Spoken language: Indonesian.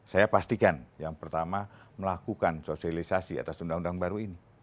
saya pastikan yang pertama melakukan sosialisasi atas undang undang baru ini